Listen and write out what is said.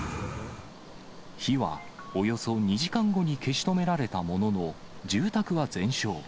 火はおよそ２時間後に消し止められたものの、住宅は全焼。